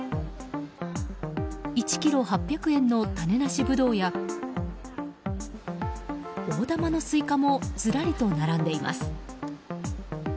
１ｋｇ８００円の種なしブドウや大玉のスイカもずらりと並んでいます。